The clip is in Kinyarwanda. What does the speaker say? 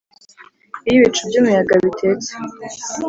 iyo ibicu byumuyaga bitetse,